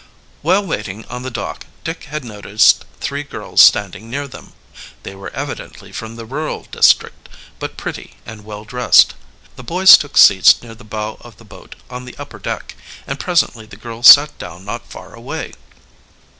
While waiting on the dock Dick had noticed three girls standing near them. They were evidently from the rural district, but pretty and well dressed. The boys took seats near the bow of the boat, on the upper deck, and presently the girls sat down not far away.